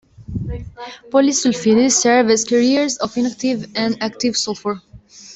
Polysulfides serve as carriers of inactive and active sulfur.